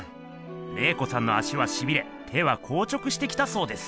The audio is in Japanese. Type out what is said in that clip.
麗子さんの足はしびれ手はこう直してきたそうです。